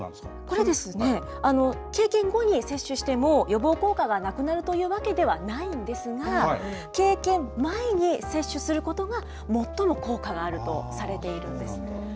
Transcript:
これですね、経験後に接種しても予防効果がなくなるというわけではないんですが、経験前に接種することが最も効果があるとされているんです。